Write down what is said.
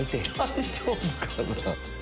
大丈夫かな？